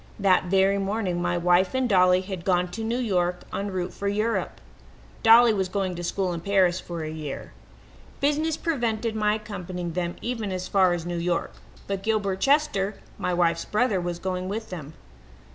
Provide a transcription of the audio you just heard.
That very morning my wife and Dolly had gone to New York en route for Europe. Dolly was going to school in Paris for a year. Business prevented my accompanying them even as far as New York, but Gilbert Chester, my wife's brother, was going with them.